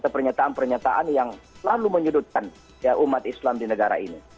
pernyataan pernyataan yang selalu menyudutkan umat islam di negara ini